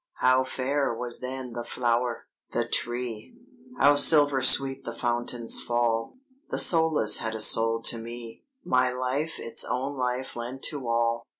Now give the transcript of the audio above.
"How fair was then the flower, the tree! How silver sweet the fountains fall! The soulless had a soul to me! My life its own life lent to all!